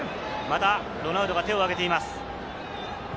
ロナウドが手を挙げています。